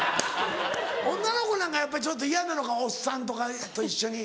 女の子なんかやっぱりちょっと嫌なのかおっさんとかと一緒に。